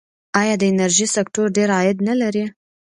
آیا د انرژۍ سکتور ډیر عاید نلري؟